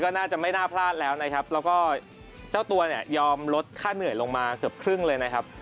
น่าจะไม่น่าพลาดแล้วนะครับแล้วก็เจ้าตัวเนี่ยยอมลดค่าเหนื่อยลงมาเกือบครึ่งเลยนะครับ